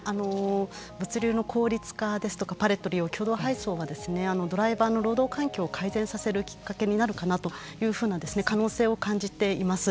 物流の効率化ですとかパレットの利用共同配送はドライバーの労働環境を改善させるきっかけになるかなというふうな可能性を感じています。